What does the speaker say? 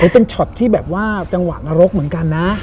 เป็นช็อตที่จังหวังอรกเหมือนกันนะ